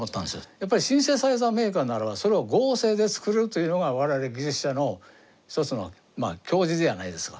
やっぱりシンセサイザーメーカーならばそれを合成で作るというのが我々技術者の一つの矜持ではないですか。